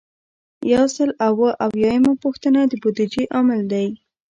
یو سل او اووه اویایمه پوښتنه د بودیجې عامل دی.